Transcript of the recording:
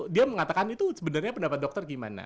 dia mengatakan itu sebenarnya pendapat dokter gimana